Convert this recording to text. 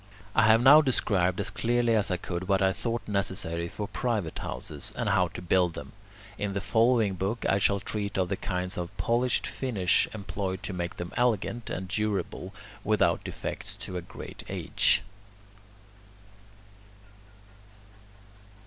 I have now described as clearly as I could what I thought necessary for private houses, and how to build them. In the following book I shall treat of the kinds of polished finish employed to make them elegant, and durable without defects to a great age.